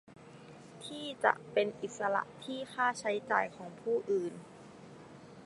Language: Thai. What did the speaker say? ที่จะเป็นอิสระที่ค่าใช้จ่ายของผู้อื่น